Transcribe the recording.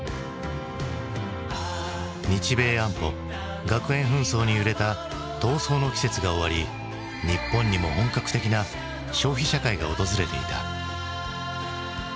日米安保学園紛争に揺れた闘争の季節が終わり日本にも本格的な消費社会が訪れていた。